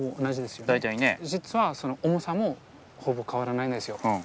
実はその重さもほぼ変わらないんですよ。